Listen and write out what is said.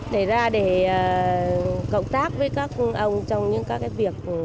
để ra để cộng tác với các ông trong những các cái việc nhỏ nhặt